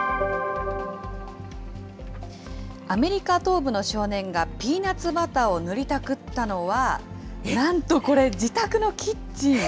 アメリカ東部の少年がピーナツバターを塗りたくったのは、なんとこれ、自宅のキッチン。